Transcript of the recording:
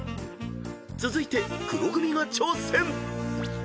［続いて黒組が挑戦］